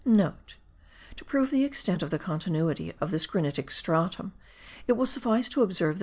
(* To prove the extent of the continuity of this granitic stratum, it will suffice to observe that M.